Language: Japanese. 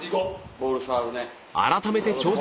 ボール触るね。